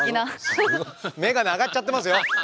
メガネ上がっちゃってますよ。